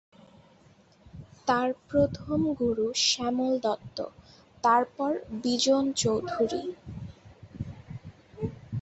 তার প্রথম গুরু শ্যামল দত্ত, তারপর বিজন চৌধুরী।